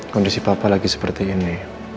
kondisi papa lagi seperti ini